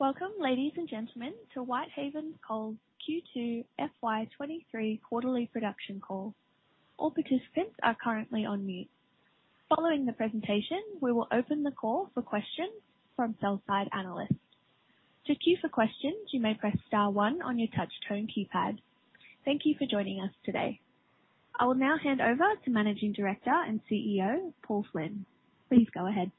Welcome, ladies and gentlemen, to Whitehaven Coal's Q2 FY23 quarterly production call. All participants are currently on mute. Following the presentation, we will open the call for questions from sell-side analysts. To queue for questions, you may press star one on your touchtone keypad. Thank you for joining us today. I will now hand over to Managing Director and CEO, Paul Flynn. Please go ahead.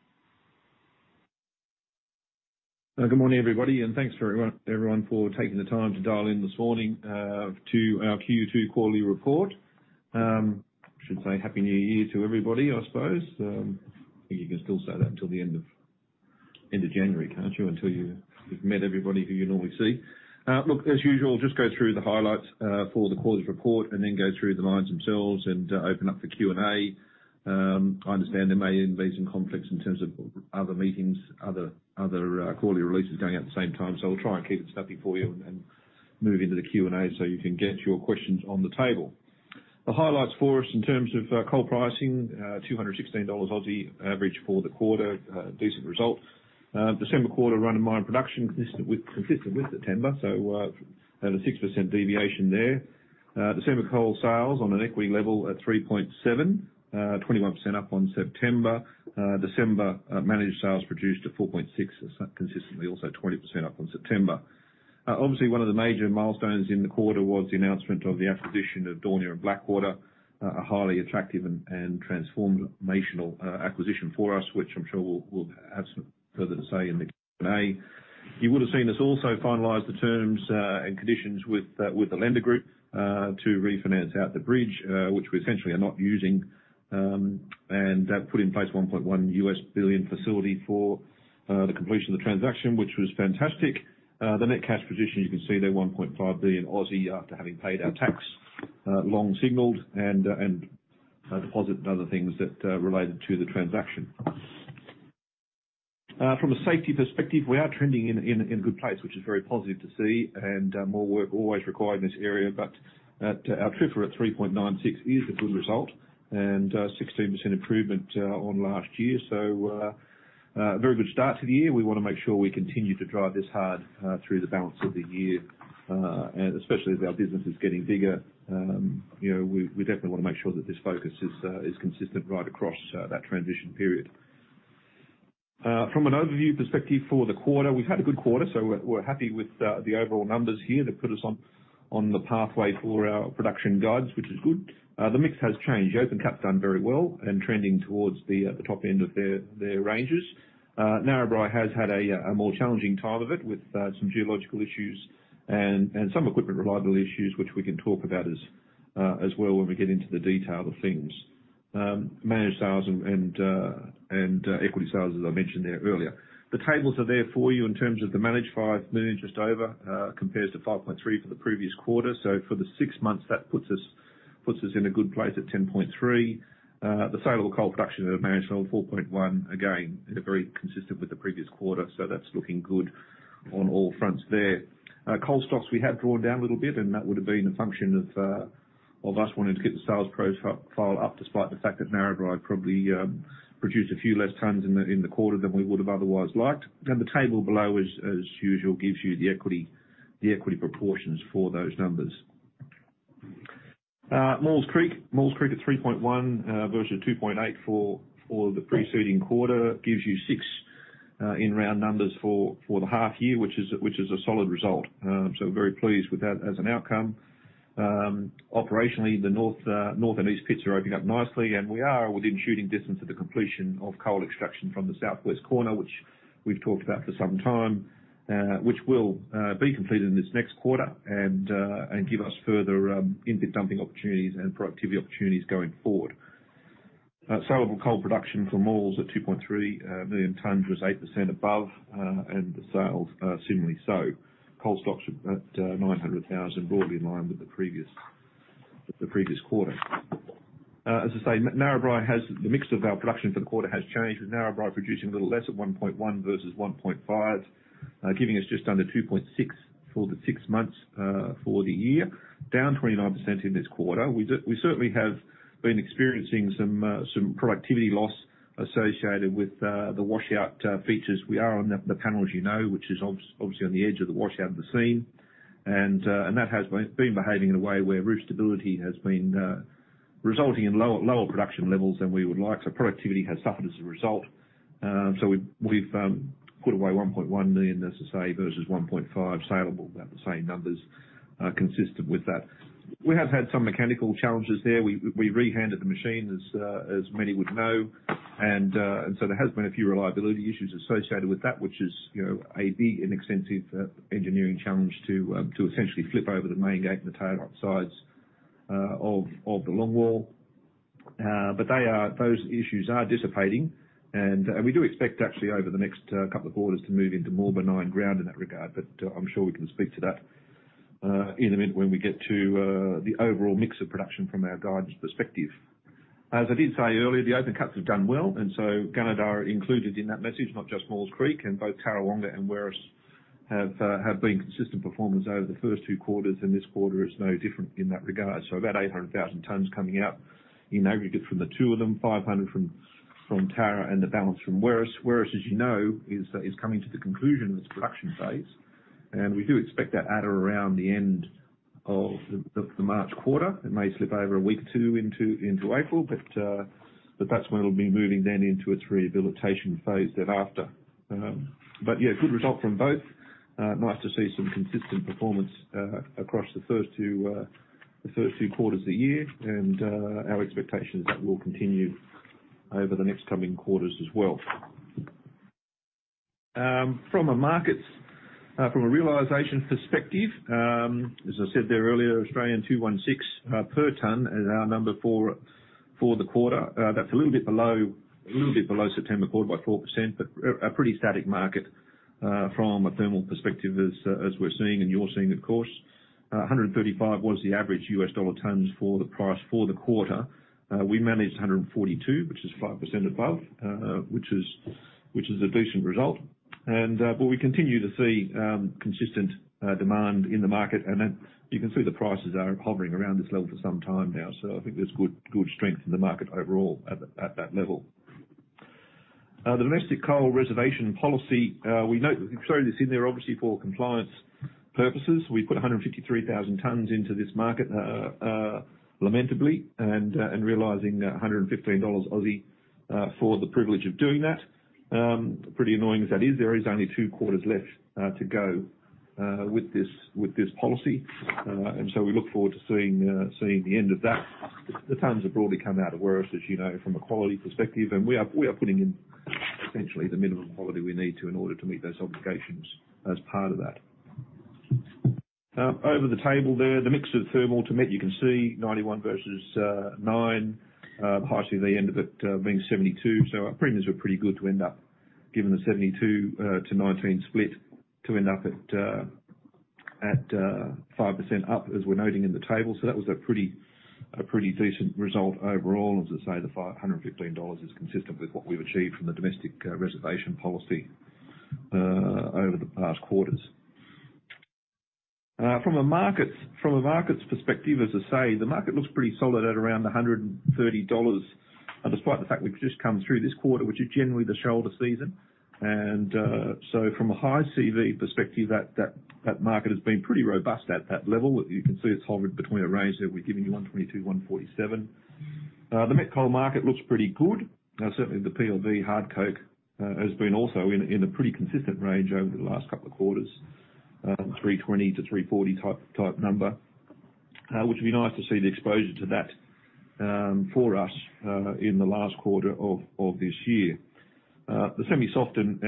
Good morning, everybody, and thanks for everyone for taking the time to dial in this morning to our Q2 quarterly report. I should say Happy New Year to everybody, I suppose. I think you can still say that until the end of January, can't you? Until you've met everybody who you normally see. Look, as usual, just go through the highlights for the quarterly report and then go through the mines themselves and open up the Q&A. I understand there may even be some conflicts in terms of other meetings, other quarterly releases going at the same time. So I'll try and keep it snappy for you and move into the Q&A so you can get your questions on the table. The highlights for us in terms of, coal pricing, two hundred and sixteen dollars Aussie average for the quarter, decent result. December quarter run-of-mine production consistent with, consistent with September, so, over 6% deviation there. December coal sales on an equity level at 3.7, twenty-one percent up on September. December, managed sales produced at 4.6, consistently also twenty percent up on September. Obviously one of the major milestones in the quarter was the announcement of the acquisition of Daunia and Blackwater, a highly attractive and, and transformational, acquisition for us, which I'm sure we'll, we'll have some further to say in the Q&A. You would have seen us also finalize the terms and conditions with the lender group to refinance out the bridge, which we essentially are not using. That put in place a $1 billion facility for the completion of the transaction, which was fantastic. The net cash position, you can see there, 1.5 billion, after having paid our tax, long service and deposit and other things that related to the transaction. From a safety perspective, we are trending in a good place, which is very positive to see, and more work always required in this area. But our TRIFR at 3.96 is a good result and 16% improvement on last year. So, a very good start to the year. We wanna make sure we continue to drive this hard, through the balance of the year. And especially as our business is getting bigger, you know, we, we definitely want to make sure that this focus is, is consistent right across, that transition period. From an overview perspective for the quarter, we've had a good quarter, so we're, we're happy with, the overall numbers here. That put us on, on the pathway for our production guides, which is good. The mix has changed. Open cut's done very well and trending towards the, the top end of their, their ranges. Narrabri has had a, a more challenging time of it, with, some geological issues and, and some equipment reliability issues, which we can talk about as, as well when we get into the detail of things. Managed sales and equity sales, as I mentioned there earlier. The tables are there for you in terms of the managed 5 million, just over, compares to 5.3 for the previous quarter. So for the six months, that puts us in a good place at 10.3. The sale of coal production at managed 4.1, again, very consistent with the previous quarter, so that's looking good on all fronts there. Coal stocks, we have drawn down a little bit, and that would have been a function of us wanting to get the sales profile filled up, despite the fact that Narrabri probably produced a few less tons in the quarter than we would have otherwise liked. The table below, as usual, gives you the equity, the equity proportions for those numbers. Maules Creek. Maules Creek at 3.1 versus 2.8 for the preceding quarter gives you 6 in round numbers for the half year, which is a solid result. So very pleased with that as an outcome. Operationally, the north, north and east pits are opening up nicely, and we are within shooting distance of the completion of coal extraction from the southwest corner, which we've talked about for some time, which will be completed in this next quarter and give us further in-pit dumping opportunities and productivity opportunities going forward. Sellable coal production for Maules at 2.3 million tons was 8% above, and the sales similarly so. Coal stocks at 900,000, broadly in line with the previous, the previous quarter. As I say, Narrabri, the mix of our production for the quarter has changed, with Narrabri producing a little less at 1.1 versus 1.5, giving us just under 2.6 for the six months, for the year, down 29% in this quarter. We certainly have been experiencing some, some productivity loss associated with the washout features. We are on the panel, as you know, which is obviously, obviously on the edge of the washout of the seam. And, and that has been, been behaving in a way where roof stability has been resulting in lower, lower production levels than we would like. So productivity has suffered as a result. So we've put away 1.1 million, as I say, versus 1.5 sellable, about the same numbers, consistent with that. We have had some mechanical challenges there. We re-handed the machine, as many would know, and so there has been a few reliability issues associated with that, which is, you know, a big and extensive engineering challenge to essentially flip over the main gate and the tail sides of the longwall. But those issues are dissipating, and we do expect actually over the next couple of quarters to move into more benign ground in that regard. But I'm sure we can speak to that in a minute when we get to the overall mix of production from our guidance perspective. As I did say earlier, the open cuts have done well, and so Gunnedah included in that message, not just Maules Creek and both Tarrawonga and Werris have been consistent performance over the first two quarters, and this quarter is no different in that regard. So about 800,000 tons coming out in aggregate from the two of them, 500,000 from Tara, and the balance from Werris. Werris, as you know, is coming to the conclusion of its production phase, and we do expect that at around the end of the March quarter. It may slip over a week or two into April, but that's when it'll be moving then into its rehabilitation phase thereafter. But yeah, good result from both. Nice to see some consistent performance across the first two quarters of the year, and our expectation is that will continue over the next coming quarters as well. From a realization perspective, as I said there earlier, 216 per ton is our number for the quarter. That's a little bit below September quarter by 4%, but a pretty static market from a thermal perspective, as we're seeing, and you're seeing, of course. 135 average US dollars per ton for the price for the quarter. We managed 142, which is 5% above, which is a decent result. But we continue to see consistent demand in the market. And then you can see the prices are hovering around this level for some time now, so I think there's good, good strength in the market overall at that level. The domestic coal reservation policy, we've thrown this in there obviously for compliance purposes. We put 153,000 tons into this market, lamentably, and realizing that 115 Aussie dollars for the privilege of doing that. Pretty annoying as that is, there is only two quarters left to go with this policy. And so we look forward to seeing the end of that. The tons have broadly come out of Werris Creek, as you know, from a quality perspective, and we are, we are putting in essentially the minimum quality we need to in order to meet those obligations as part of that. Over the table there, the mix of thermal to met, you can see 91 versus 9, partially the end of it being 72. So our premiums were pretty good to end up, given the 72 to 19 split, to end up at 5% up, as we're noting in the table. So that was a pretty, a pretty decent result overall. As I say, the $515 is consistent with what we've achieved from the domestic reservation policy over the past quarters. From a markets perspective, as I say, the market looks pretty solid at around $130, despite the fact we've just come through this quarter, which is generally the shoulder season. So from a high CV perspective, that market has been pretty robust at that level. You can see it's hovered between a range that we've given you, $122-$147. The met coal market looks pretty good. Certainly, the PLV hard coke has been also in a pretty consistent range over the last couple of quarters, $320-$340 type number. Which would be nice to see the exposure to that, for us, in the last quarter of this year. The semi-soft and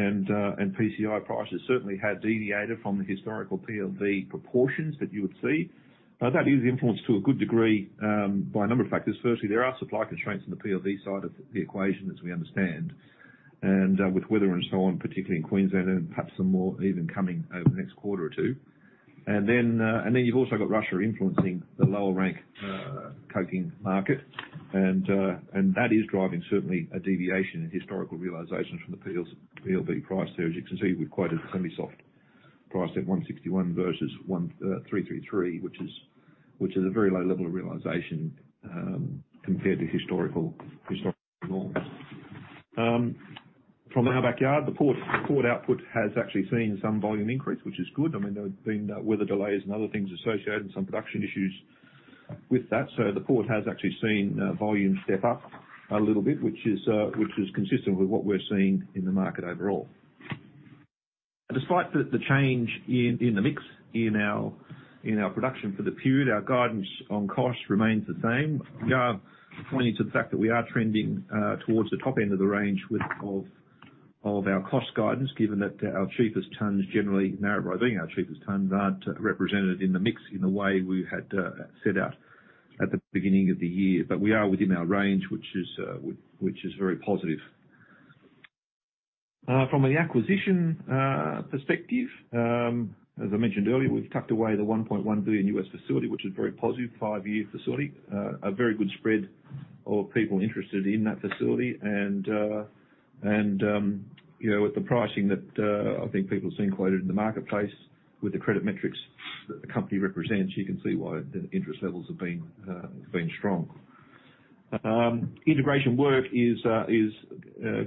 PCI prices certainly have deviated from the historical PLV proportions that you would see. That is influenced to a good degree by a number of factors. Firstly, there are supply constraints on the PLV side of the equation, as we understand, and with weather and so on, particularly in Queensland, and perhaps some more even coming over the next quarter or two. And then you've also got Russia influencing the lower-rank coking market. And that is driving certainly a deviation in historical realizations from the PLV price there. As you can see, we've quoted the semi-soft price at $161 versus $1,333, which is a very low level of realization compared to historical norms. From our backyard, the port, the port output has actually seen some volume increase, which is good. I mean, there have been weather delays and other things associated, and some production issues with that. So the port has actually seen volume step up a little bit, which is consistent with what we're seeing in the market overall. Despite the change in the mix in our production for the period, our guidance on costs remains the same. Pointing to the fact that we are trending towards the top end of the range with our cost guidance, given that our cheapest tons, generally Narrabri being our cheapest tons, aren't represented in the mix in the way we had set out at the beginning of the year. But we are within our range, which is very positive. From an acquisition perspective, as I mentioned earlier, we've tucked away the $1.1 billion facility, which is a very positive five-year facility. A very good spread of people interested in that facility, and, and, you know, with the pricing that I think people have seen quoted in the marketplace, with the credit metrics that the company represents, you can see why the interest levels have been strong. Integration work is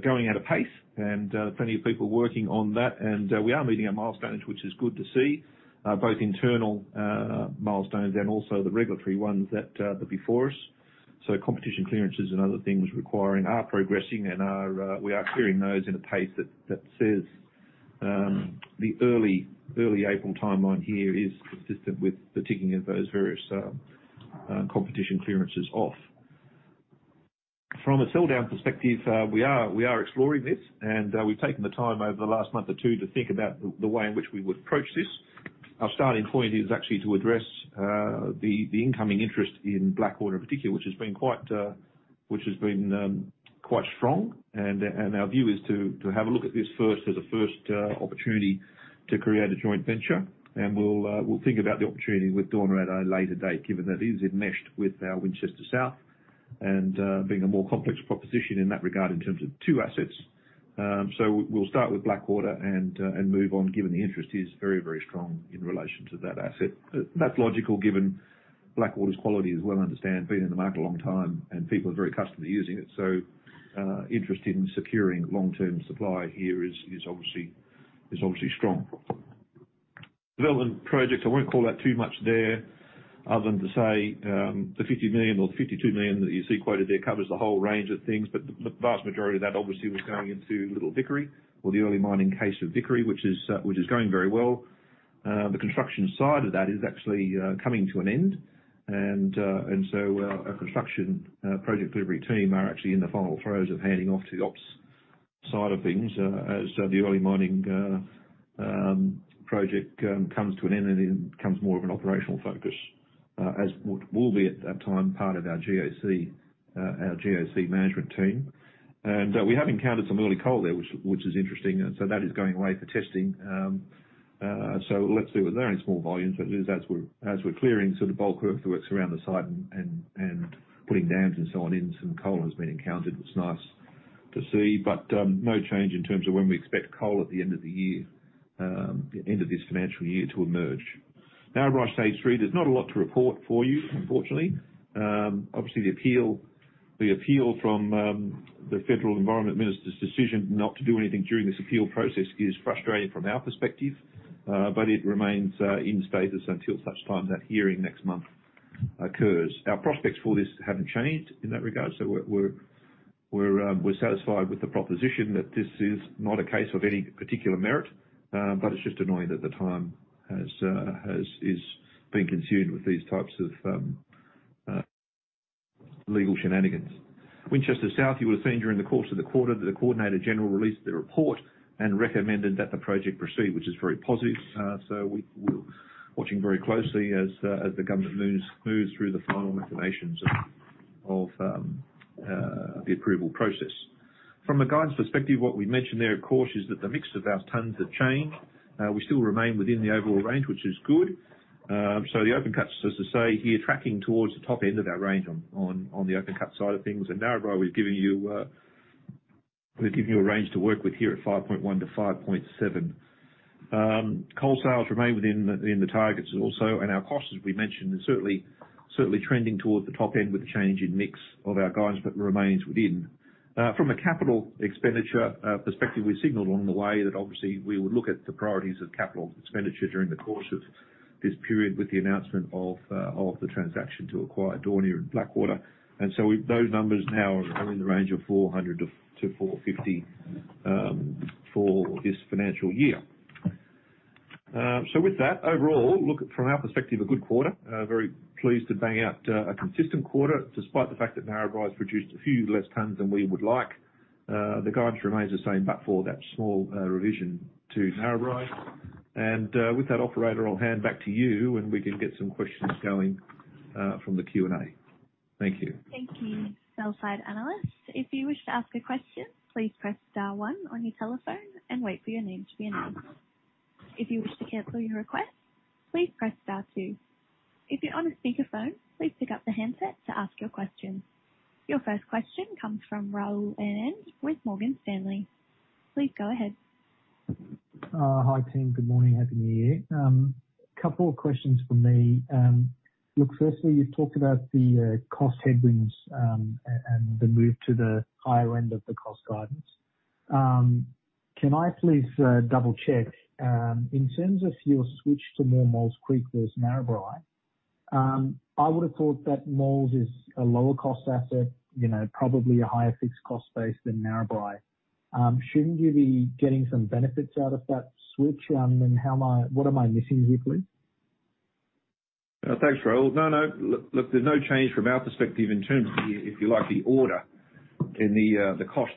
going at a pace, and plenty of people working on that. And we are meeting our milestones, which is good to see, both internal milestones and also the regulatory ones that are before us. So competition clearances and other things requiring are progressing and are, we are clearing those at a pace that says the early April timeline here is consistent with the ticking of those various competition clearances off. From a sell down perspective, we are exploring this, and we've taken the time over the last month or two to think about the way in which we would approach this. Our starting point is actually to address the incoming interest in Blackwater in particular, which has been quite strong. And our view is to have a look at this first as a first opportunity to create a joint venture. And we'll, we'll think about the opportunity with Daunia at a later date, given that is enmeshed with our Winchester South and, being a more complex proposition in that regard, in terms of two assets. So we'll start with Blackwater and move on, given the interest is very, very strong in relation to that asset. That's logical, given Blackwater's quality is well understood, been in the market a long time, and people are very accustomed to using it. So, interest in securing long-term supply here is obviously strong. Development projects, I won't call out too much there, other than to say, the 50 million or 52 million that you see quoted there covers the whole range of things, but the vast majority of that obviously was going into Little Vickery or the early mining case of Vickery, which is going very well. The construction side of that is actually coming to an end. And so our construction project delivery team are actually in the final throes of handing off to the ops side of things, as the early mining project comes to an end, and it becomes more of an operational focus. As what will be at that time, part of our GOC, our GOC management team. And we have encountered some early coal there, which is interesting, and so that is going away for testing. So let's see, with very small volumes, but as we're clearing sort of bulk of the works around the site and putting dams and so on in, some coal has been encountered, which is nice to see. But no change in terms of when we expect coal at the end of the year, the end of this financial year, to emerge. Narrabri Stage 3, there's not a lot to report for you, unfortunately. Obviously, the appeal from the Federal Environment Minister's decision not to do anything during this appeal process is frustrating from our perspective, but it remains in status until such time that hearing next month occurs. Our prospects for this haven't changed in that regard, so we're satisfied with the proposition that this is not a case of any particular merit, but it's just annoying that the time has been consumed with these types of legal shenanigans. Winchester South, you would have seen during the course of the quarter that the Coordinator General released the report and recommended that the project proceed, which is very positive. So we're watching very closely as the government moves through the final machinations of the approval process. From a guidance perspective, what we mentioned there, of course, is that the mix of our tons have changed. We still remain within the overall range, which is good. So the open cuts, so to say, here tracking towards the top end of our range on, on, on the open cut side of things. At Narrabri, we've given you, we've given you a range to work with here at 5.1 to 5.7. Coal sales remain within the, within the targets also, and our costs, as we mentioned, are certainly, certainly trending towards the top end with the change in mix of our guidance, but remains within. From a capital expenditure perspective, we signaled along the way that obviously we would look at the priorities of capital expenditure during the course of this period, with the announcement of the transaction to acquire Daunia and Blackwater. And so we've those numbers now are in the range of 400-450 for this financial year. So with that, overall, look, from our perspective, a good quarter. Very pleased to bang out a consistent quarter, despite the fact that Narrabri's produced a few less tonnes than we would like. The guidance remains the same, but for that small revision to Narrabri. And with that, operator, I'll hand back to you, and we can get some questions going from the Q&A. Thank you. Thank you. Sell-side analysts, if you wish to ask a question, please press star one on your telephone and wait for your name to be announced. If you wish to cancel your request, please press star two. If you're on a speakerphone, please pick up the handset to ask your question. Your first question comes from Rahul Anand with Morgan Stanley. Please go ahead. Hi, team. Good morning. Happy New Year. Couple of questions from me. Look, firstly, you've talked about the cost headwinds and the move to the higher end of the cost guidance. Can I please double-check in terms of your switch to more Maules Creek versus Narrabri? I would have thought that Maules is a lower cost asset, you know, probably a higher fixed cost base than Narrabri. Shouldn't you be getting some benefits out of that switch? And how am I—what am I missing here, please? Thanks, Rahul. No, no. Look, there's no change from our perspective in terms of the, if you like, the order in the cost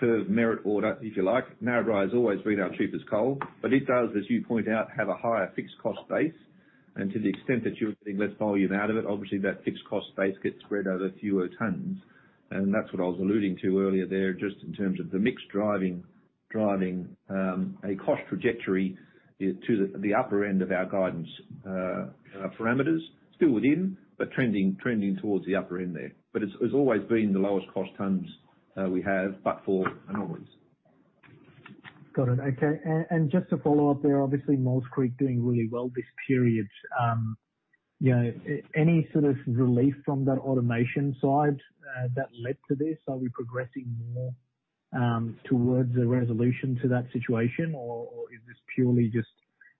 curve, merit order, if you like. Narrabri has always been our cheapest coal, but it does, as you point out, have a higher fixed cost base. And to the extent that you're getting less volume out of it, obviously that fixed cost base gets spread over fewer tonnes. And that's what I was alluding to earlier there, just in terms of the mix driving a cost trajectory into the upper end of our guidance parameters. Still within, but trending towards the upper end there. But it's always been the lowest cost tonnes we have, but for anomalies. Got it. Okay, and just to follow up there, obviously, Maules Creek doing really well this period. You know, any sort of relief from that automation side that led to this? Are we progressing more towards a resolution to that situation, or is this purely just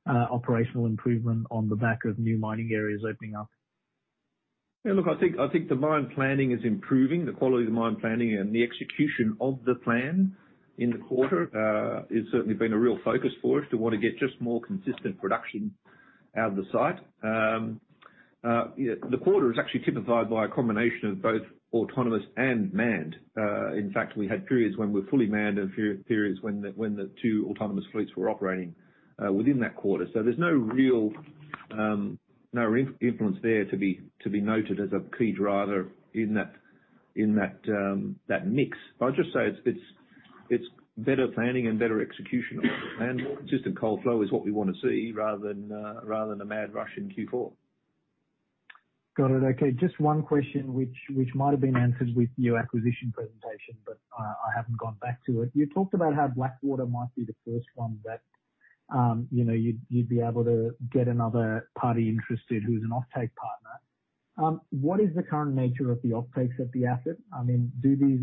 operational improvement on the back of new mining areas opening up? Yeah, look, I think, I think the mine planning is improving, the quality of the mine planning and the execution of the plan in the quarter has certainly been a real focus for us to want to get just more consistent production out of the site. Yeah, the quarter is actually typified by a combination of both autonomous and manned. In fact, we had periods when we're fully manned and periods when the two autonomous fleets were operating within that quarter. So there's no real influence there to be noted as a key driver in that mix. But I'll just say it's better planning and better execution, and consistent coal flow is what we want to see rather than a mad rush in Q4. Got it. Okay, just one question, which, which might have been answered with your acquisition presentation, but I haven't gone back to it. You talked about how Blackwater might be the first one that, you know, you'd, you'd be able to get another party interested who's an offtake partner. What is the current nature of the offtakes of the asset? I mean,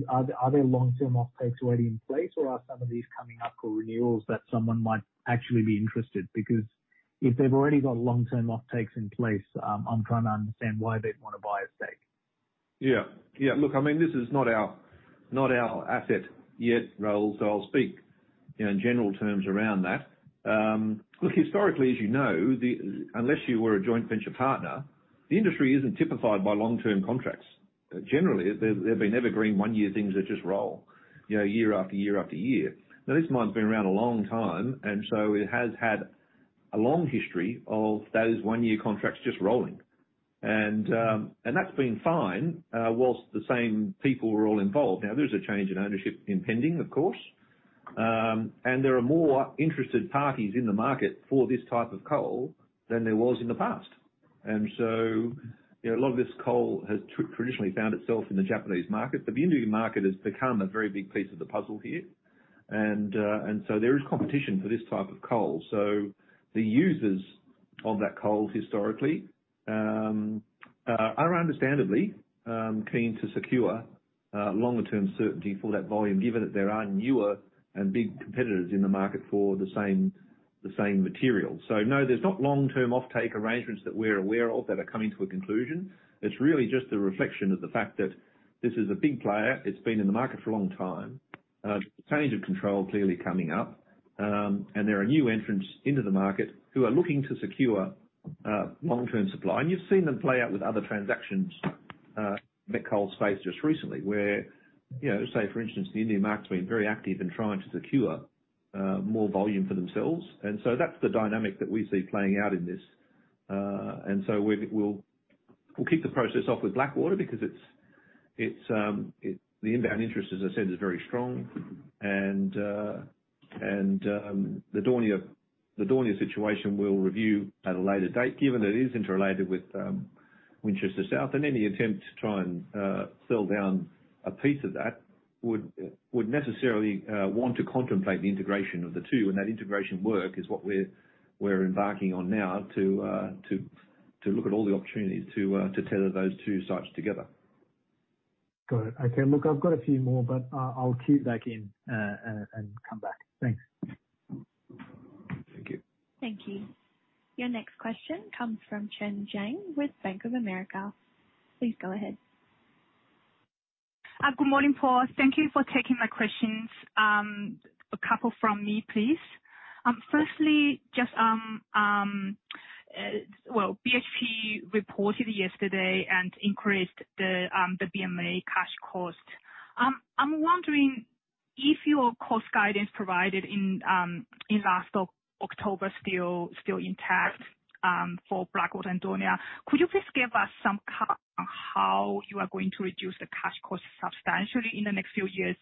are there long-term offtakes already in place, or are some of these coming up for renewals that someone might actually be interested? Because if they've already got long-term offtakes in place, I'm trying to understand why they'd want to buy a stake. Yeah. Yeah, look, I mean, this is not our, not our asset yet, Rahul, so I'll speak, you know, in general terms around that. Look, historically, as you know, unless you were a joint venture partner, the industry isn't typified by long-term contracts. Generally, they've been evergreen one-year things that just roll, you know, year after year after year. Now, this mine's been around a long time, and so it has had a long history of those one-year contracts just rolling. And that's been fine whilst the same people were all involved. Now, there's a change in ownership impending, of course. And there are more interested parties in the market for this type of coal than there was in the past. And so, you know, a lot of this coal has traditionally found itself in the Japanese market, but the Indian market has become a very big piece of the puzzle here. And, and so there is competition for this type of coal. So the users of that coal historically are understandably keen to secure longer-term certainty for that volume, given that there are newer and big competitors in the market for the same, the same material. So no, there's not long-term offtake arrangements that we're aware of that are coming to a conclusion. It's really just a reflection of the fact that this is a big player. It's been in the market for a long time. Change of control clearly coming up. And there are new entrants into the market who are looking to secure long-term supply. You've seen them play out with other transactions in the coal space just recently, where, you know, say, for instance, the Indian market's been very active in trying to secure more volume for themselves. And so that's the dynamic that we see playing out in this. And so we'll kick the process off with Blackwater because it's the inbound interest, as I said, is very strong. And the Daunia situation, we'll review at a later date, given that it is interrelated with Winchester South, and any attempt to try and sell down a piece of that would necessarily want to contemplate the integration of the two, and that integration work is what we're embarking on now to look at all the opportunities to tether those two sites together. Got it. Okay, look, I've got a few more, but I'll queue back in and come back. Thanks. Thank you. Thank you. Your next question comes from Chen Jiang with Bank of America. Please go ahead. Good morning, Paul. Thank you for taking my questions. A couple from me, please. Firstly, just, well, BHP reported yesterday and increased the BMA cash cost. I'm wondering if your cost guidance provided in last October still intact for Blackwater and Daunia. Could you please give us some color on how you are going to reduce the cash costs substantially in the next few years?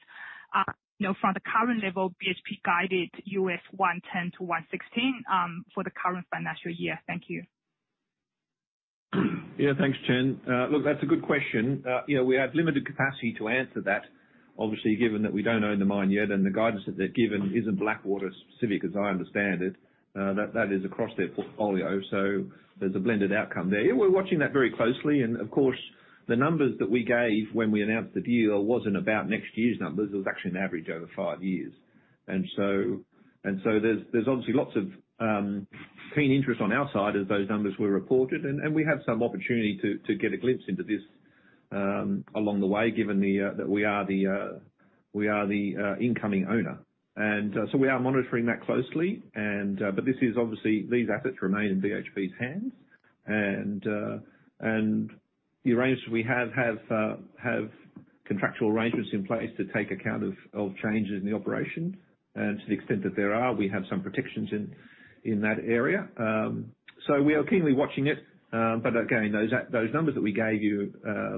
You know, from the current level, BHP guided $110-$116 for the current financial year. Thank you. Yeah, thanks, Chen. Look, that's a good question. You know, we have limited capacity to answer that, obviously, given that we don't own the mine yet, and the guidance that they've given isn't Blackwater specific, as I understand it. That is across their portfolio, so there's a blended outcome there. Yeah, we're watching that very closely, and of course, the numbers that we gave when we announced the deal wasn't about next year's numbers. It was actually an average over five years. And so there's obviously lots of keen interest on our side as those numbers were reported, and we have some opportunity to get a glimpse into this along the way, given that we are the incoming owner. So we are monitoring that closely, and, but this is obviously, these assets remain in BHP's hands. And, and the arrangements we have, have, have contractual arrangements in place to take account of, of changes in the operation. To the extent that there are, we have some protections in, in that area. So we are keenly watching it, but again, those a- those numbers that we gave you,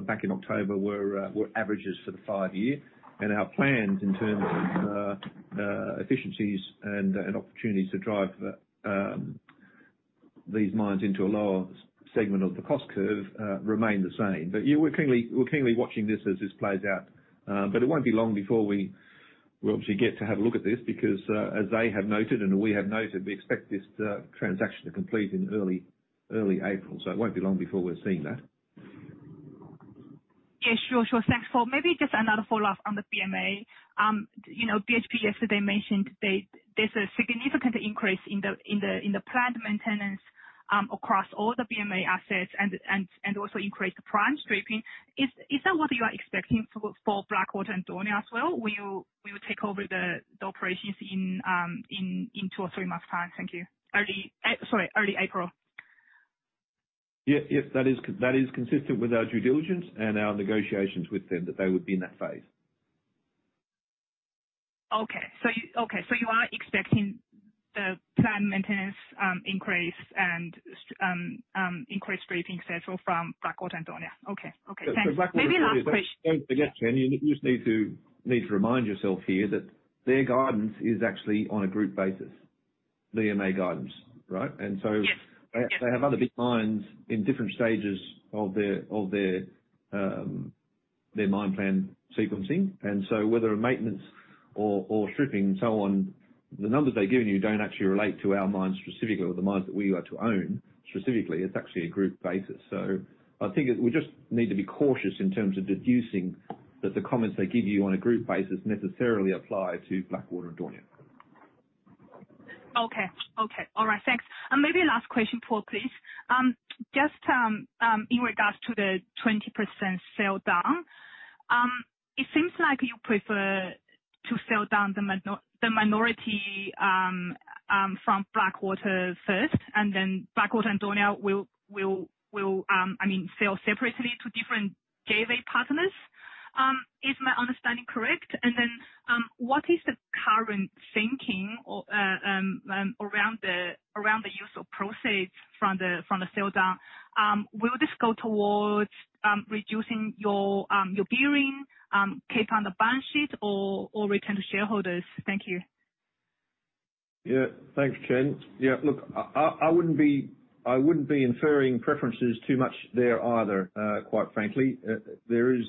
back in October were, were averages for the five-year. And our plans in terms of, efficiencies and, and opportunities to drive, these mines into a lower segment of the cost curve, remain the same. But yeah, we're keenly, we're keenly watching this as this plays out. But it won't be long before we obviously get to have a look at this, because as they have noted and we have noted, we expect this transaction to complete in early April, so it won't be long before we're seeing that. Yeah, sure, sure. Thanks, Paul. Maybe just another follow-up on the BMA. You know, BHP yesterday mentioned they... There’s a significant increase in the plant maintenance across all the BMA assets and also increased the prime stripping. Is that what you are expecting for Blackwater and Daunia as well? Will you, we will take over the operations in two or three months’ time? Thank you. Early... sorry, early April. Yeah, yep. That is consistent with our due diligence and our negotiations with them, that they would be in that phase. Okay, so you... Okay, so you are expecting the planned maintenance increase and increase stripping schedule from Blackwater and Daunia. Okay. Okay, thanks. Maybe last question- But Blackwater, don't forget, Chen, you just need to remind yourself here that their guidance is actually on a group basis, the BMA guidance, right? And so they have other big mines in different stages of their mine plan sequencing. And so whether a maintenance or stripping and so on, the numbers they've given you don't actually relate to our mines specifically, or the mines that we are to own specifically. It's actually a group basis. So I think we just need to be cautious in terms of deducing that the comments they give you on a group basis necessarily apply to Blackwater and Daunia. Okay. Okay. All right, thanks. And maybe last question, Paul, please. Just in regards to the 20% sell down, it seems like you prefer to sell down the minority from Blackwater first, and then Blackwater and Daunia will sell separately to different JV partners. Is my understanding correct? And then, what is the current thinking around the use of proceeds from the sell down? Will this go towards reducing your gearing cap on the balance sheet or return to shareholders? Thank you. Yeah. Thanks, Chen. Yeah, look, I wouldn't be inferring preferences too much there either, quite frankly. There is...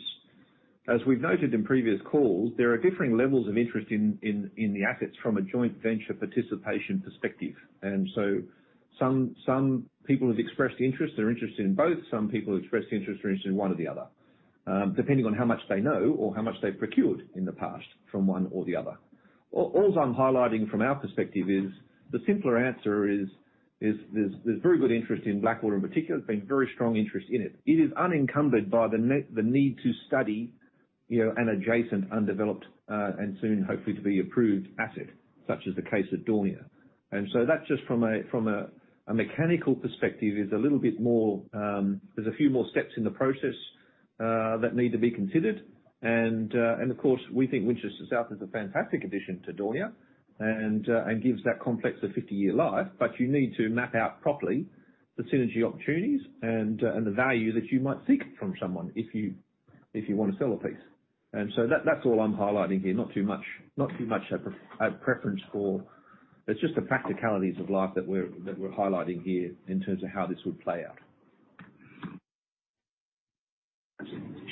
As we've noted in previous calls, there are differing levels of interest in the assets from a joint venture participation perspective. And so some people have expressed interest. They're interested in both. Some people expressed interest, are interested in one or the other, depending on how much they know or how much they've procured in the past from one or the other. All I'm highlighting from our perspective is the simpler answer is there's very good interest in Blackwater in particular, there's been very strong interest in it. It is unencumbered by the need to study, you know, an adjacent, undeveloped, and soon hopefully to be approved asset, such as the case with Daunia. So that's just from a mechanical perspective a little bit more. There's a few more steps in the process that need to be considered. Of course, we think Winchester South is a fantastic addition to Daunia and gives that complex a 50-year life. But you need to map out properly the synergy opportunities and the value that you might seek from someone if you want to sell a piece. So that's all I'm highlighting here. Not too much, not too much a preference for... It's just the practicalities of life that we're highlighting here in terms of how this would play out.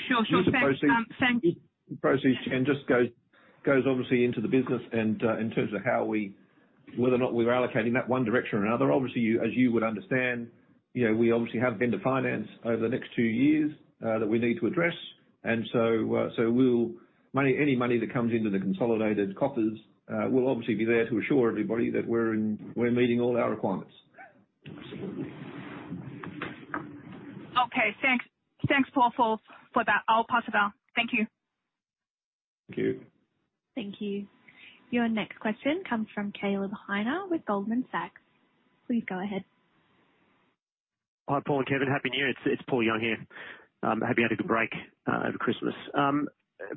Sure, sure. Thanks. Proceeds, and just goes obviously into the business and, in terms of whether or not we're allocating that one direction or another, obviously, you, as you would understand, you know, we obviously have vendor finance over the next two years that we need to address. And so, any money that comes into the consolidated coffers will obviously be there to assure everybody that we're meeting all our requirements. Okay. Thanks. Thanks, Paul, for, for that. I'll pass it on. Thank you. Thank you. Thank you. Your next question comes from Caleb Heiner with Goldman Sachs. Please go ahead. Hi, Paul and Kevin. Happy New Year. It's Paul Young here. I hope you had a good break over Christmas.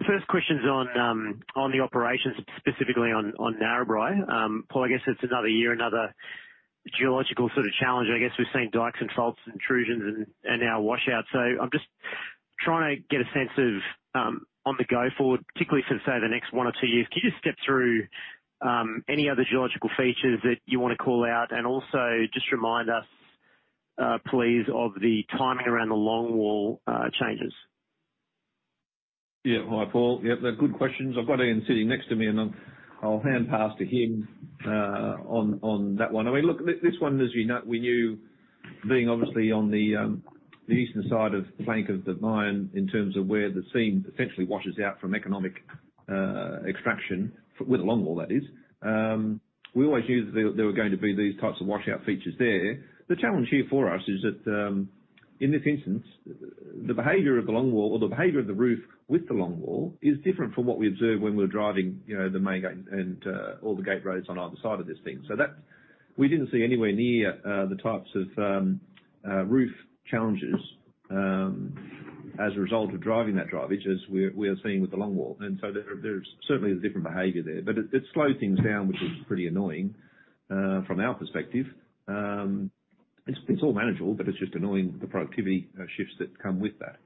First question's on the operations, specifically on Narrabri. Paul, I guess it's another year, another geological sort of challenge. I guess we've seen dikes and faults, intrusions, and now washouts. So I'm just trying to get a sense of on the go forward, particularly for, say, the next one or two years, can you just step through any other geological features that you want to call out? And also just remind us, please, of the timing around the longwall changes. Yeah. Hi, Paul. Yep, they're good questions. I've got Ian sitting next to me, and I'll hand pass to him on that one. I mean, look, this one, as you know we knew, being obviously on the eastern side of the Basin of the mine, in terms of where the seam essentially washes out from economic extraction with the longwall, that is. We always knew that there were going to be these types of washout features there. The challenge here for us is that in this instance, the behavior of the longwall, or the behavior of the roof with the longwall, is different from what we observed when we were driving, you know, the main and all the gate roads on either side of this thing. So that we didn't see anywhere near the types of roof challenges as a result of driving that drive, which we're seeing with the longwall. And so there, there's certainly a different behavior there. But it slowed things down, which is pretty annoying from our perspective. It's all manageable, but it's just annoying, the productivity shifts that come with that.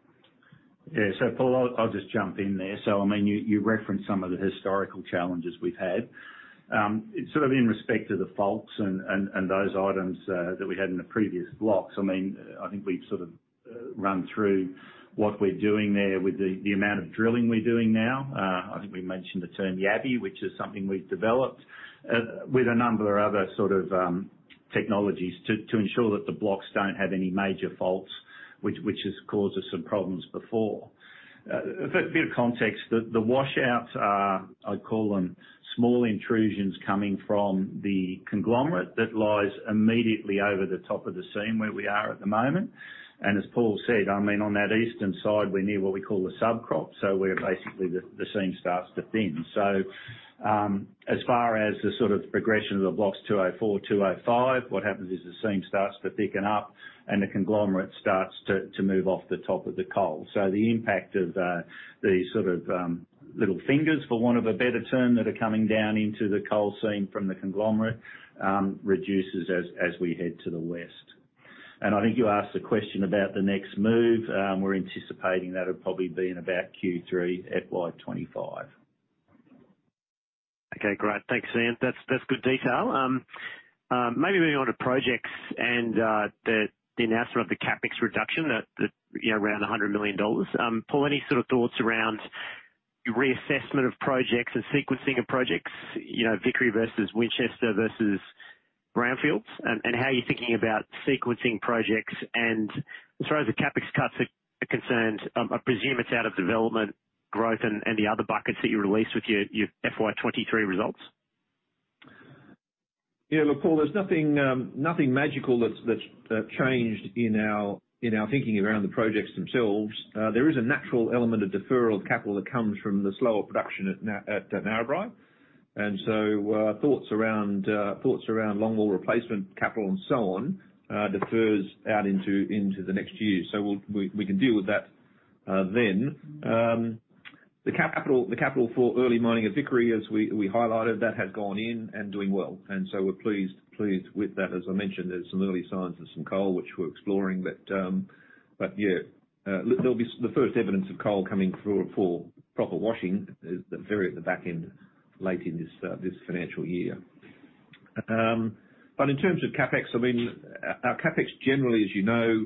Yeah. So Paul, I'll just jump in there. So I mean, you referenced some of the historical challenges we've had. Sort of in respect to the faults and those items that we had in the previous blocks, I mean, I think we've sort of run through what we're doing there with the amount of drilling we're doing now. I think we mentioned the term Yabby, which is something we've developed with a number of other sort of technologies to ensure that the blocks don't have any major faults, which has caused us some problems before. A bit of context, the washouts are, I'd call them, small intrusions coming from the conglomerate that lies immediately over the top of the seam where we are at the moment. As Paul said, I mean, on that eastern side, we're near what we call the subcrop, so where basically the seam starts to thin. So, as far as the sort of progression of the blocks 204, 205, what happens is the seam starts to thicken up and the conglomerate starts to move off the top of the coal. So the impact of the sort of little fingers, for want of a better term, that are coming down into the coal seam from the conglomerate, reduces as we head to the west.... I think you asked the question about the next move. We're anticipating that it'll probably be in about Q3, FY 25. Okay, great. Thanks, Ian. That's, that's good detail. Maybe moving on to projects and the announcement of the CapEx reduction, that you know, around $100 million. Paul, any sort of thoughts around your reassessment of projects and sequencing of projects? You know, Vickery versus Winchester versus Brownfields, and how you're thinking about sequencing projects. And as far as the CapEx cuts are concerned, I presume it's out of development growth and the other buckets that you released with your FY 2023 results. Yeah, look, Paul, there's nothing, nothing magical that's changed in our thinking around the projects themselves. There is a natural element of deferral of capital that comes from the slower production at Narrabri. And so, thoughts around longwall replacement capital and so on defers out into the next year. So we can deal with that then. The capital for early mining at Vickery, as we highlighted, that has gone in and doing well, and so we're pleased with that. As I mentioned, there's some early signs of some coal which we're exploring, but yeah. There'll be the first evidence of coal coming through for proper washing at the very back end, late in this financial year. But in terms of CapEx, I mean, our CapEx generally, as you know,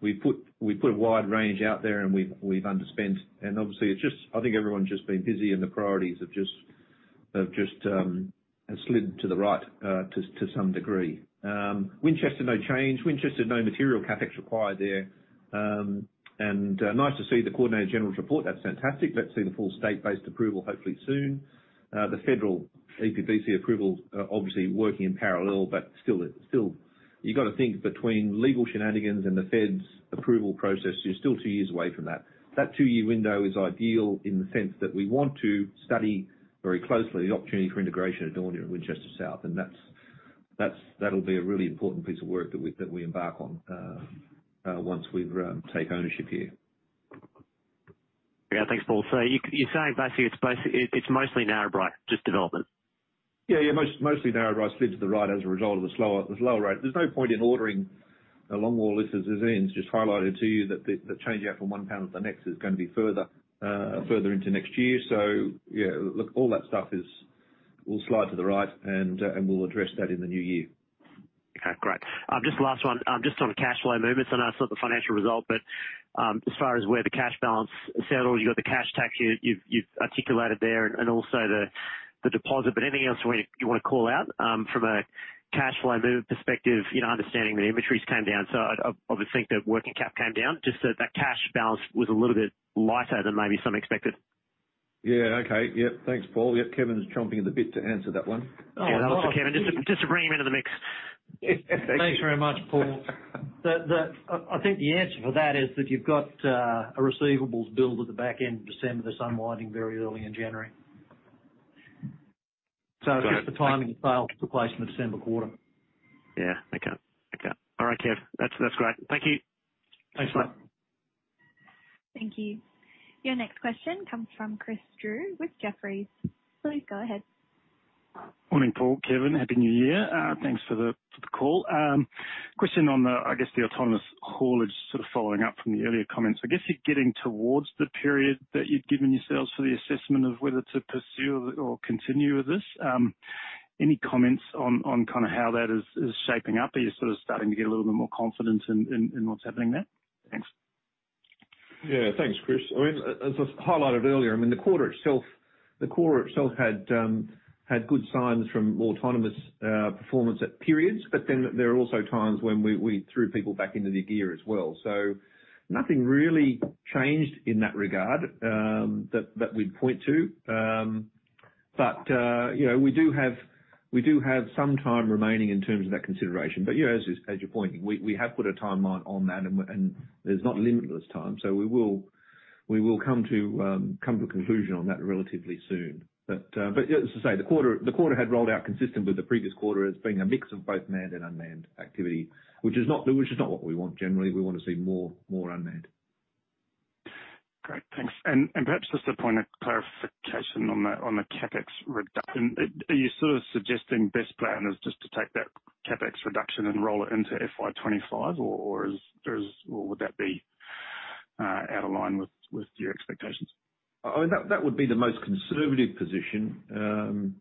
we put a wide range out there, and we've underspent. And obviously, it's just—I think everyone's just been busy, and the priorities have just slid to the right, to some degree. Winchester, no change. Winchester, no material CapEx required there. And nice to see the Coordinator General's report. That's fantastic. Let's see the full state-based approval, hopefully soon. The federal EPBC approval, obviously working in parallel, but still, it's still... You've got to think between legal shenanigans and the federal's approval process, you're still two years away from that. That 2-year window is ideal in the sense that we want to study very closely the opportunity for integration at Daunia and Winchester South, and that's, that'll be a really important piece of work that we embark on once we've take ownership here. Yeah, thanks, Paul. So you, you're saying basically, it's mostly Narrabri, just development? Yeah, yeah, mostly Narrabri slid to the right as a result of the slower rate. There's no point in ordering a longwall list, as Ian's just highlighted to you, that the change out from one panel to the next is gonna be further into next year. So, yeah, look, all that stuff will slide to the right, and we'll address that in the new year. Okay, great. Just last one, just on the cash flow movements. I know it's not the financial result, but as far as where the cash balance settled, you've got the cash tax you've articulated there and also the deposit. But anything else you wanna call out from a cash flow movement perspective? You know, understanding the inventories came down, so I'd obviously think that working cap came down, just that that cash balance was a little bit lighter than maybe some expected. Yeah, okay. Yep, thanks, Paul. Yep, Kevin's chomping at the bit to answer that one. Yeah, that was for Kevin, just to, just to bring him into the mix. Thanks very much, Paul. The answer for that is that you've got a receivables bill at the back end of December, that's unwinding very early in January. Great. So, just the timing of sales replacement of December quarter. Yeah. Okay, okay. All right, Kev, that's, that's great. Thank you. Thanks a lot. Thank you. Your next question comes from Chris Drew with Jefferies. Please go ahead. Morning, Paul, Kevin. Happy New Year. Thanks for the call. Question on the autonomous haulage, I guess, sort of following up from the earlier comments. I guess you're getting towards the period that you've given yourselves for the assessment of whether to pursue or continue with this. Any comments on kind of how that is shaping up? Are you sort of starting to get a little bit more confidence in what's happening there? Thanks. Yeah. Thanks, Chris. I mean, as I've highlighted earlier, I mean, the quarter itself, the quarter itself had had good signs from autonomous performance at periods, but then there are also times when we, we threw people back into the gear as well. So nothing really changed in that regard, that, that we'd point to. But, you know, we do have, we do have some time remaining in terms of that consideration. But yeah, as, as you're pointing, we, we have put a timeline on that, and and there's not limitless time, so we will, we will come to, come to a conclusion on that relatively soon. But yeah, as I say, the quarter had rolled out consistent with the previous quarter as being a mix of both manned and unmanned activity, which is not what we want. Generally, we want to see more unmanned. Great, thanks. And perhaps just a point of clarification on the CapEx reduction. Are you sort of suggesting best plan is just to take that CapEx reduction and roll it into FY 25, or would that be out of line with your expectations? That would be the most conservative position,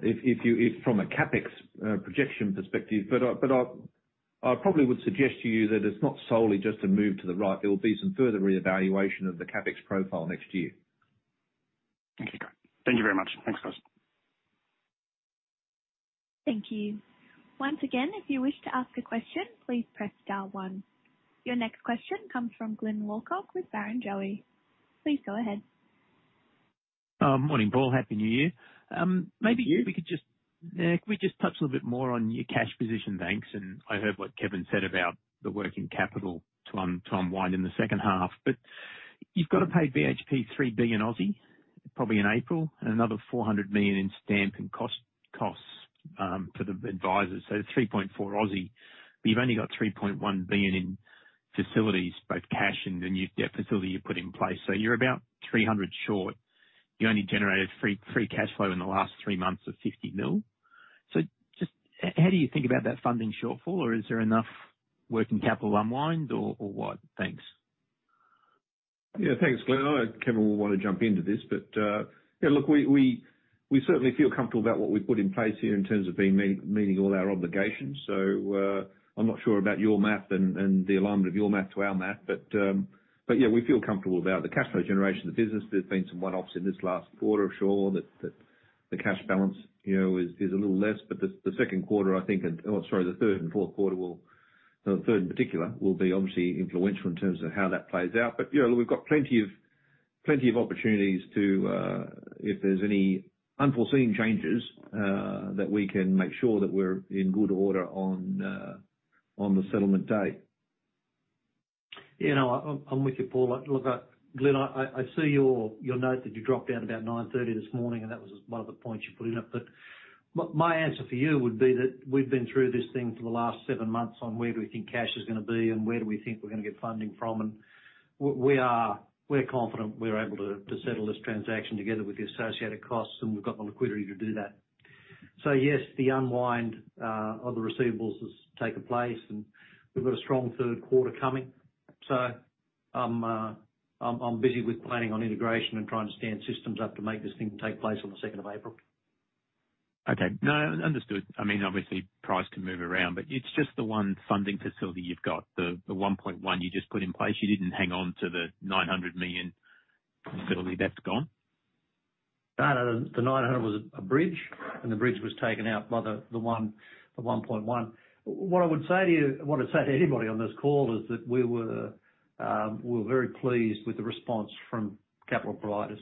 if from a CapEx projection perspective. But I probably would suggest to you that it's not solely just a move to the right. There will be some further reevaluation of the CapEx profile next year. Okay, great. Thank you very much. Thanks, guys. Thank you. Once again, if you wish to ask a question, please press star one. Your next question comes from Glyn Lawcock with Barrenjoey. Please go ahead. Morning, Paul. Happy New Year. Maybe you, we could just, could we just touch a little bit more on your cash position, thanks. And I heard what Kevin said about the working capital to unwind in the second half, but you've got to pay BHP 3 billion, probably in April, and another 400 million in stamp duty and costs for the advisors, so 3.4 billion, but you've only got 3.1 billion in facilities, both cash and the new debt facility you put in place. So you're about 300 million short. You only generated free cash flow in the last 3 months of 50 million. So just, how do you think about that funding shortfall, or is there enough working capital unwind, or what? Thanks. Yeah, thanks, Glyn. I know Kevin will want to jump into this. But, yeah, look, we certainly feel comfortable about what we've put in place here in terms of being meeting all our obligations. So, I'm not sure about your math and the alignment of your math to our math, but, yeah, we feel comfortable about the cash flow generation of the business. There's been some one-offs in this last quarter, sure, that the cash balance, you know, is a little less. But the second quarter, I think, and, oh, sorry, the third and fourth quarter will- the third, in particular, will be obviously influential in terms of how that plays out. You know, we've got plenty of opportunities to, if there's any unforeseen changes, that we can make sure that we're in good order on the settlement date. Yeah, no, I'm with you, Paul. Look, Glyn, I see your note that you dropped down about 9:30 A.M. this morning, and that was one of the points you put in it. But my answer for you would be that we've been through this thing for the last 7 months on where do we think cash is gonna be and where do we think we're gonna get funding from, and we are confident we're able to settle this transaction together with the associated costs, and we've got the liquidity to do that. So yes, the unwind of the receivables has taken place, and we've got a strong third quarter coming. So I'm busy with planning on integration and trying to stand systems up to make this thing take place on the second of April. Okay. No, understood. I mean, obviously, price can move around, but it's just the one funding facility you've got, the, the $1.1 billion you just put in place. You didn't hang on to the $900 million facility. That's gone? No, no, the $900 million was a bridge, and the bridge was taken out by the $1.1 billion. What I would say to you, what I'd say to anybody on this call, is that we were very pleased with the response from capital providers.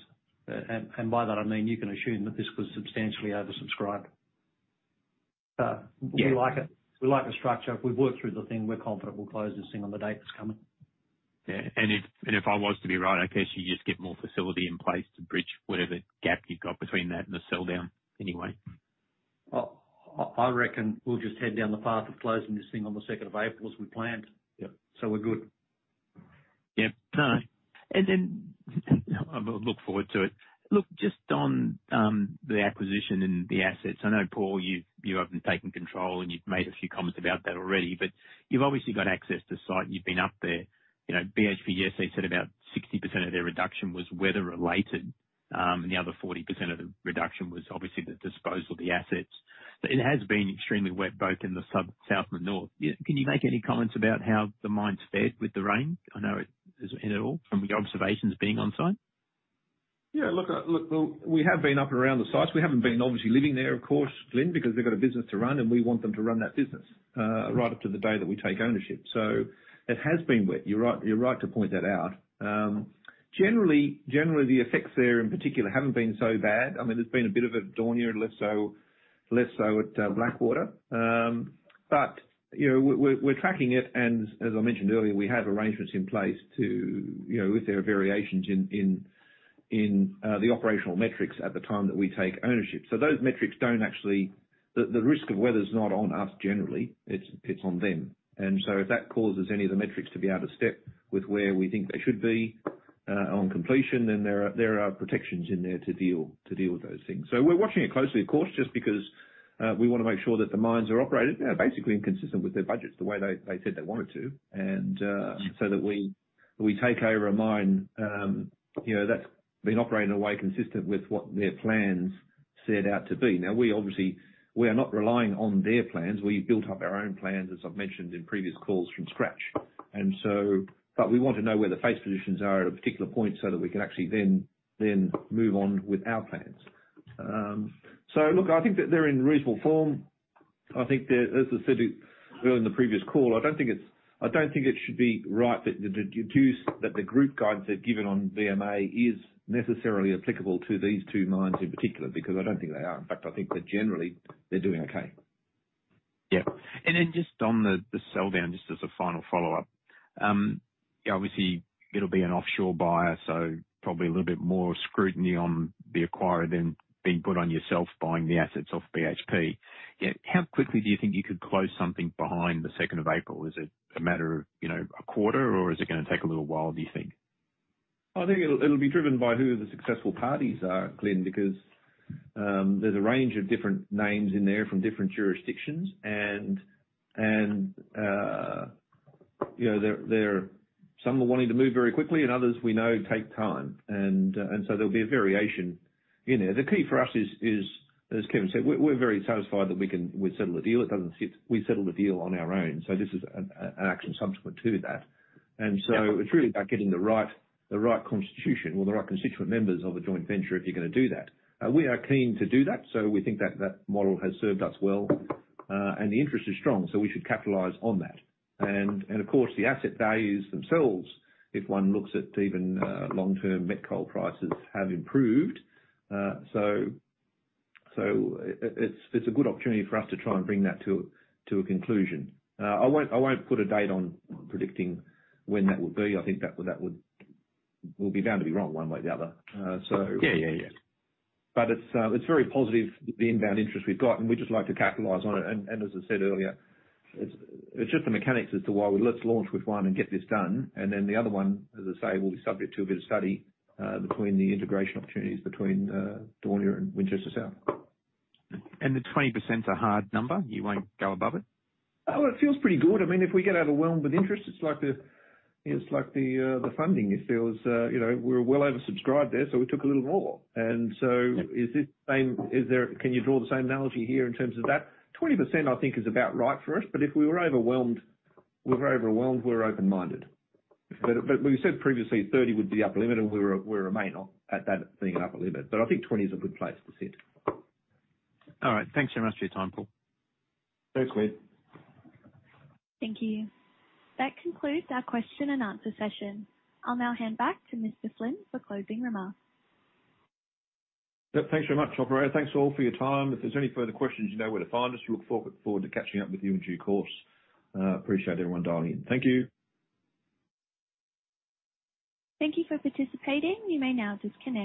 And by that, I mean, you can assume that this was substantially oversubscribed. We like it. Yeah. We like the structure. We've worked through the thing. We're confident we'll close this thing on the date that's coming. Yeah, and if I was to be right, I guess you just get more facility in place to bridge whatever gap you've got between that and the sell down anyway. Well, I reckon we'll just head down the path of closing this thing on the second of April, as we planned. Yep. So we're good. Yep. No, and then I look forward to it. Look, just on the acquisition and the assets. I know, Paul, you've, you haven't taken control, and you've made a few comments about that already, but you've obviously got access to site, and you've been up there. You know, BHP said about 60% of their reduction was weather related, and the other 40% of the reduction was obviously the disposal of the assets. But it has been extremely wet, both in the south and the north. Can you make any comments about how the mine's fared with the rain? I know it... Is it at all from your observations being on site? Yeah, look, look, well, we have been up and around the sites. We haven't been obviously living there, of course, Glyn, because they've got a business to run, and we want them to run that business right up to the day that we take ownership. So it has been wet. You're right, you're right to point that out. Generally, generally, the effects there, in particular, haven't been so bad. I mean, there's been a bit of it at Daunia and less so, less so at Blackwater. But, you know, we're tracking it, and as I mentioned earlier, we have arrangements in place to, you know, if there are variations in the operational metrics at the time that we take ownership. So those metrics don't actually... The risk of weather's not on us, generally. It's on them. So if that causes any of the metrics to be out of step with where we think they should be on completion, then there are protections in there to deal with those things. So we're watching it closely, of course, just because we want to make sure that the mines are operated basically consistent with their budgets, the way they said they wanted to. And so that we take over a mine, you know, that's been operating in a way consistent with what their plans set out to be. Now, we obviously are not relying on their plans. We've built up our own plans, as I've mentioned in previous calls, from scratch. We want to know where the face positions are at a particular point so that we can actually then move on with our plans. So look, I think that they're in reasonable form. I think that, as I said, earlier in the previous call, I don't think it should be right that the, to deduce that the group guides they've given on BMA is necessarily applicable to these two mines in particular, because I don't think they are. But I think that generally, they're doing okay. Yeah. And then just on the sell down, just as a final follow-up. Yeah, obviously, it'll be an offshore buyer, so probably a little bit more scrutiny on the acquirer than being put on yourself buying the assets off BHP. Yeah, how quickly do you think you could close something behind the second of April? Is it a matter of, you know, a quarter, or is it gonna take a little while, do you think? I think it'll be driven by who the successful parties are, Glyn, because there's a range of different names in there from different jurisdictions. And you know, some are wanting to move very quickly, and others we know take time. And so there'll be a variation in there. The key for us is, as Kevin said, we're very satisfied that we can settle the deal. It doesn't sit... We settle the deal on our own, so this is an action subsequent to that. And so it's really about getting the right, the right constitution or the right constituent members of the joint venture, if you're gonna do that. We are keen to do that, so we think that that model has served us well, and the interest is strong, so we should capitalize on that. And, and of course, the asset values themselves, if one looks at even long-term met coal prices, have improved. So it's a good opportunity for us to try and bring that to a conclusion. I won't put a date on predicting when that will be. I think that would will be bound to be wrong one way or the other. Yeah, yeah, yeah. But it's very positive, the inbound interest we've got, and we'd just like to capitalize on it. And as I said earlier, it's just the mechanics as to why let's launch with one and get this done, and then the other one, as I say, will be subject to a bit of study between the integration opportunities between Daunia and Winchester South. The 20%'s a hard number? You won't go above it? Oh, it feels pretty good. I mean, if we get overwhelmed with interest, it's like the funding. It feels, you know, we're well oversubscribed there, so we took a little more. And so, is this the same? Can you draw the same analogy here in terms of that? 20%, I think, is about right for us, but if we were overwhelmed, we're overwhelmed, we're open-minded. But, but we said previously 30% would be the upper limit, and we're, we remain at that being an upper limit. But I think 20% is a good place to sit. All right. Thanks very much for your time, Paul. Thanks, Glyn. Thank you. That concludes our question and answer session. I'll now hand back to Mr. Flynn for closing remarks. Yep. Thanks very much, Operator. Thanks, all, for your time. If there's any further questions, you know where to find us. We look forward to catching up with you in due course. Appreciate everyone dialing in. Thank you. Thank you for participating. You may now disconnect.